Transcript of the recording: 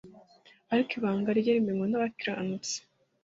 ariko ibanga rye rimenywa n’abakiranutsi